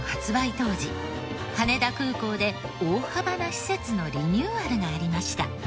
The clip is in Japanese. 当時羽田空港で大幅な施設のリニューアルがありました。